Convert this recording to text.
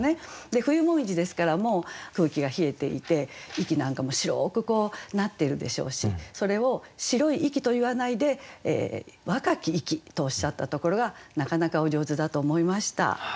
で冬紅葉ですからもう空気が冷えていて息なんかも白くなっているでしょうしそれを「白い息」と言わないで「若き息」とおっしゃったところがなかなかお上手だと思いました。